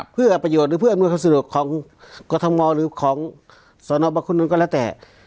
เพื่อประโยชน์หรือเพื่ออำนวยความสะดวกของกรทมหรือของสนบังคุณนุนก็แล้วแต่